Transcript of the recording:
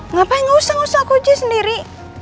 ngapain gak usah ngusah aku aja sendiri